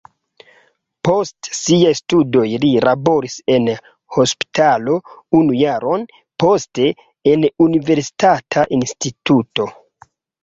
Post siaj studoj li laboris en hospitalo unu jaron, poste en universitata instituto.